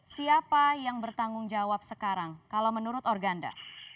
siapa yang bertanggung jawab sekarang kalau menurut organda